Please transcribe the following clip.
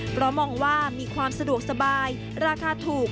เพราะมองว่ามีความสะดวกสบายราคาถูก